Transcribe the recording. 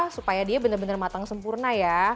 supaya dia benar benar matang sempurna ya